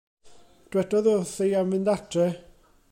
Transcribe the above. Dywedodd o wrthi am fynd adra.